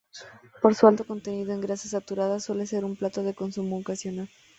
Por su alto contenido en grasas saturadas suele ser un plato de consumo ocasional.